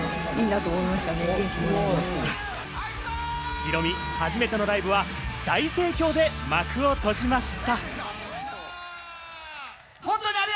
ヒロミ、初めてのライブは大盛況で幕を閉じました。